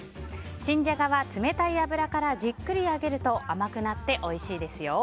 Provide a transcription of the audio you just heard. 新ジャガは冷たい油からじっくり揚げると甘くなっておいしいですよ。